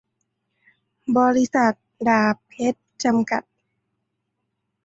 บริษัท ดาบเพ็ชร์ จำกัด